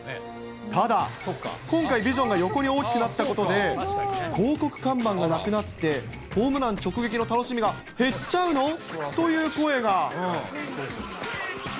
ただ、今回ビジョンが横に大きくなったことで、広告看板がなくなって、ホームラン直撃の楽しみが減っちゃうの？という声が。